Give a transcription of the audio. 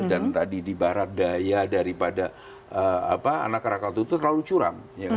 dan tadi dibaharap daya daripada anak krakatau itu terlalu curam